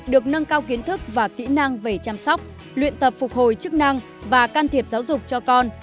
được nâng cao kiến thức và kỹ năng về chăm sóc luyện tập phục hồi chức năng và can thiệp giáo dục cho con